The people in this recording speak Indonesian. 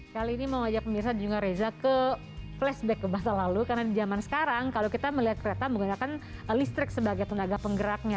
kali ini mau ngajak pemirsa juga reza ke flashback ke masa lalu karena di zaman sekarang kalau kita melihat kereta menggunakan listrik sebagai tenaga penggeraknya